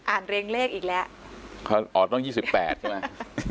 อ่านเรียงเลขอีกแล้วอ๋อต้อง๒๘ใช่ไหม